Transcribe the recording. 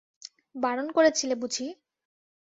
বারণ করেছিলে বুঝি!